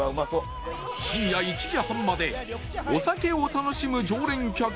深夜１時半までお酒を楽しむ常連客も多い